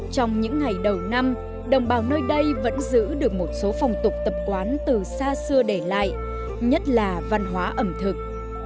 trong những ngày đầu năm đồng bào nơi đây vẫn giữ được một số phòng tục tập quán từ xa xưa để lại nhất là văn hóa ẩm thực